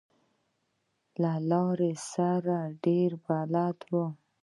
له لارې سره ډېر بلد و.